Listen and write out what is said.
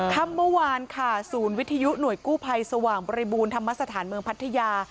ค่ำเมื่อวานค่ะศูนย์วิทยุหน่วยกู้ภัยสว่างบริบูรณธรรมสถานเมืองพัทยา